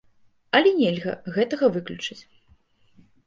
Але нельга гэтага выключыць.